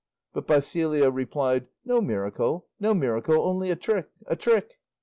But Basilio replied, "No miracle, no miracle; only a trick, a trick!"